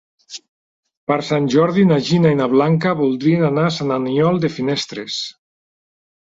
Per Sant Jordi na Gina i na Blanca voldrien anar a Sant Aniol de Finestres.